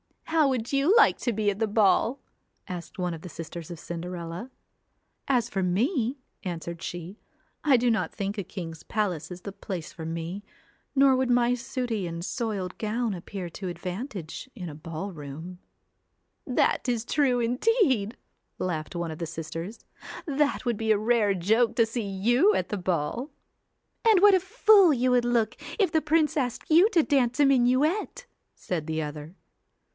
'How would you like to be at the ball?' asked one of the sisters of Cinderella. 'As for me!' answered she, *I do not think a king's palace is the place for me, nor would my sooty and soiled gown appear to advantage in a ball room.' CINDER ELLA 'That is true indeed,' laughed one of the sisters. 'That would be a rare joke to see you at the ball.' 'And what a fool you would look if the prince asked you to dance a minuet,' said the other.